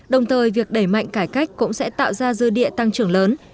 đồng thời việc đẩy mạnh cải cách cũng sẽ tạo ra dư địa tăng trưởng lớn